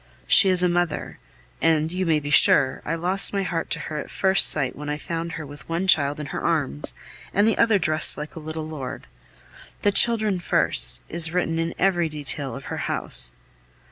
She is a mother; and, you may be sure, I lost my heart to her at first sight when I found her with one child in her arms, and the other dressed like a little lord. The children first! is written in every detail of her house.